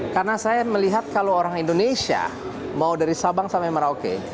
karena saya melihat kalau orang indonesia mau dari sabang sampai merauke